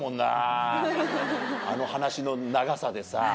あの話の長さでさ。